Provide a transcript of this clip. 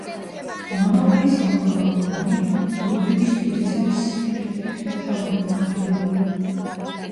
მომავალი სამოქალაქო ომი ლუდვიგის უეცარი სიკვდილით იქნა თავიდან არიდებული.